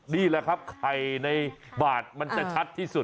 นี่แหละครับไข่ในบาทมันจะชัดที่สุด